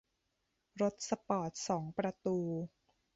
รถสปอร์ตสองประตู